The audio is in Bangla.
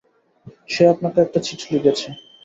সে আপনাকে একটা চিঠি লিখেছে।